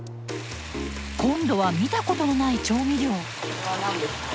今度は見たことのない調味料！